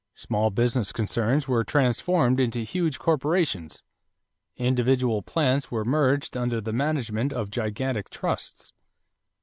Small business concerns were transformed into huge corporations. Individual plants were merged under the management of gigantic trusts.